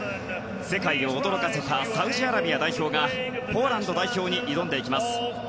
世界を驚かせたサウジアラビア代表がポーランド代表に挑んでいきます。